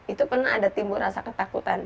itu pernah ada timbul rasa ketakutan